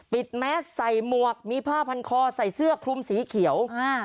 ปิดแม็กซ์ใส่มวกมีผ้าพันคอใส่เสื้อคลุมสีเขียวอ่า